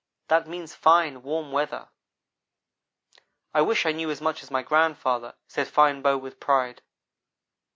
That means fine, warm weather." "I wish I knew as much as grandfather," said Fine bow with pride.